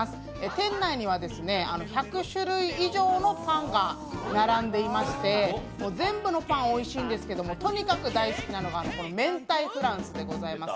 店内には１００種類以上のパンが並んでいまして全部のパンおいしいんですけれども、とにかく大好きなのがこのめんたいフランスでございます。